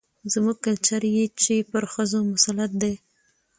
زموږ کلچر چې پر ښځو مسلط دى،